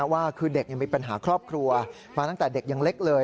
ว่าคือเด็กมีปัญหาครอบครัวมาตั้งแต่เด็กยังเล็กเลย